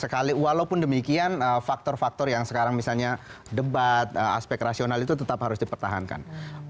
sekali walaupun demikian faktor faktor yang sekarang misalnya debat aspek rasional itu tetap harus dipertahankan